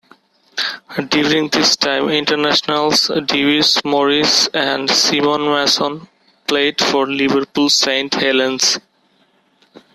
During this time internationals Dewi Morris and Simon Mason played for Liverpool Saint Helens.